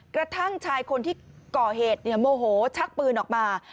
กระทั่งชายคนที่ก่อเหตุโมโหชักปืนออกมา